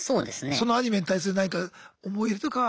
そのアニメに対する何か思い入れとかは。